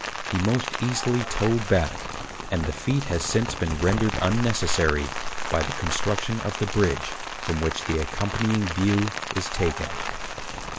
He most easily towed back, and the feat has since been rendered unnecessary by the construction of the bridge from which the accompanying view is taken.